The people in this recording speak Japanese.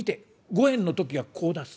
５円の時はこう出す。